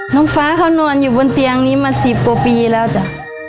น้องฟ้าเขานอนอยู่บนเตียงนี้มา๑๐กว่าปีแล้วจ้ะ